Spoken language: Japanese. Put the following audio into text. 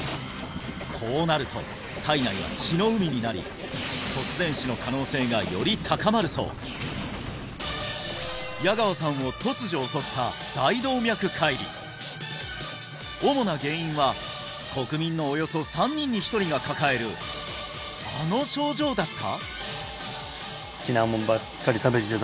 こうなると体内は血の海になり突然死の可能性がより高まるそう矢川さんを突如襲った大動脈解離主な原因は国民のおよそ３人に１人が抱えるあの症状だった？